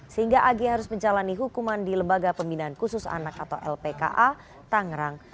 sehingga ag harus menjalani hukuman di lembaga pembinaan khusus anak atau lpka tangerang